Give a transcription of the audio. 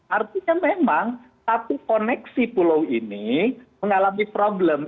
artinya memang satu koneksi pulau ini mengalami problem